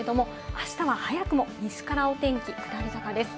明日は早くも西からお天気、下り坂です。